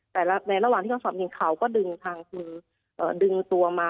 กับในระหว่างที่ต้องสอบข้อที่จริงเขาก็ดึงทางดึงตัวมา